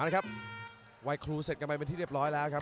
ครับวัยครูเสร็จกันไปเป็นที่เรียบร้อยแล้วครับ